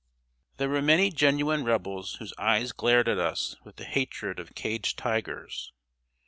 There were many genuine Rebels whose eyes glared at us with the hatred of caged tigers.